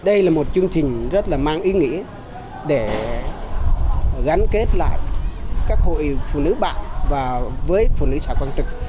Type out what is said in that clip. đây là một chương trình rất là mang ý nghĩa để gắn kết lại các hội phụ nữ bạn và với phụ nữ xã quang trực